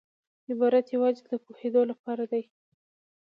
عبارت یوازي د پوهېدو له پاره دئ.